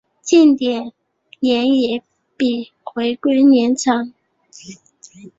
近点年也比回归年长。